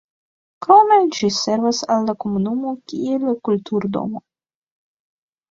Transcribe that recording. Krome ĝi servas al la komunumo kiel kulturdomo.